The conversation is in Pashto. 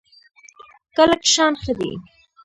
کلک شان ښه دی.